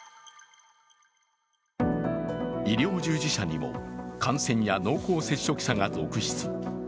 医療従事者にも感染や濃厚接触者が続出。